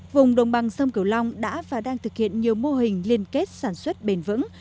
vùng đồng bằng sông cửu long đã và đang thực hiện nhiều mô hình liên kết sản xuất bền vững